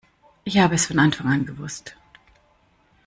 Ich habe es von Anfang an gewusst!